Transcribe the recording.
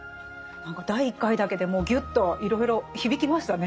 何か第１回だけでもうぎゅっといろいろ響きましたね。